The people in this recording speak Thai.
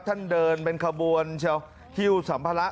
ท่านเดินเป็นขบวนฮิ้วสัมภาระ